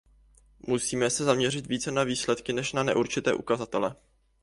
Musíme se zaměřit více na výsledky než na neurčité ukazatele.